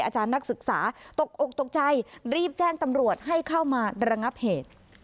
อาจารย์นักศึกษาตกอกตกใจรีบแจ้งตำรวจให้เข้ามาระงับเหตุ